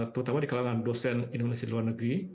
terutama di kalangan dosen indonesia di luar negeri